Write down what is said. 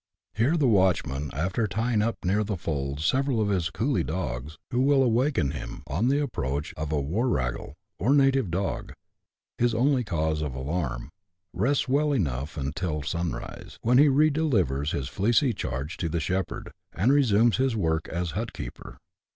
Here the watchman, after tying up near the folds several of his " coolie " dogs, who will awaken him on the ap proach of a " warragle," or native dog, his only cause of alarm, rests well enough until sunrise ; when he re delivers his fleecy charge to the shepherd, and resumes his work as hutkeeper.